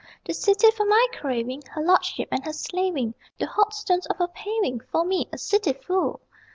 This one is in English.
The city for my craving, Her lordship and her slaving, The hot stones of her paving For me, a city fool!